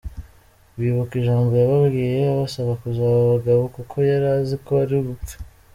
Bibuka ijambo yababwiye abasaba kuzaba abagabo kuko yari azi ko ari bupfe.